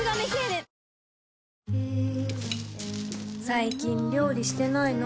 最近料理してないの？